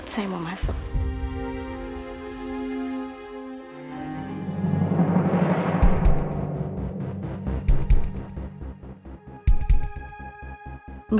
saya mau masuk